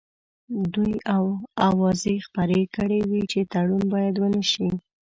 دوی اوازې خپرې کړې وې چې تړون باید ونه شي.